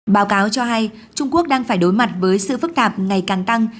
báo cáo cho hay trung quốc đang phải đối mặt với sự phức tạp ngày càng tăng